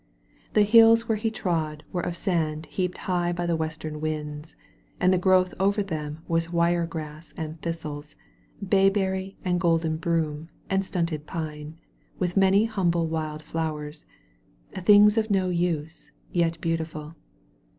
The hills where he trod were of sand heaped high by the western winds; and the growth over them was wire grass and thistles, bayberry and golden broom and stunted pine, with many humble wild flowers — things of no use, yet beautiful.